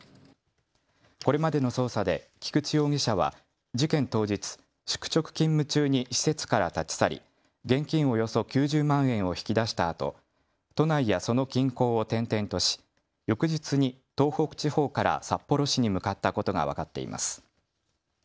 これまでの捜査で菊池容疑者は事件当日、宿直勤務中に施設から立ち去り、現金およそ９０万円を引き出したあと、都内やその近郊を転々とし翌日に東北地方から札幌市に向かったことが分かっています。